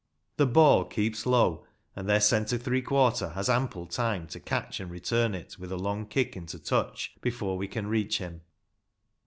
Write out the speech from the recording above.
The ball keeps low, and their centre three quarter has ample time to catch and return it with a long kick into touch before we can reach him.